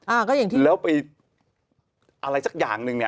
อ่าก็อย่างที่แล้วไปอะไรสักอย่างหนึ่งเนี่ย